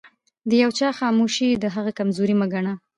د يوچا خاموښي دهغه کمزوري مه ګنه